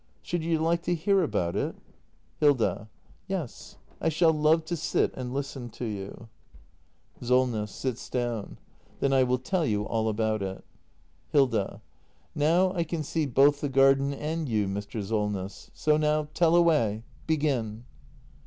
] Should you like to hear about it ? Hilda. Yes, I shall love to sit and listen to you. 344 THE MASTER BUILDER [act ii SOLNESS. [Sits down.] Then I will tell you all about it. Hilda. Now I can see both the garden and you, Mr. Solness. So now, tell away! Begin!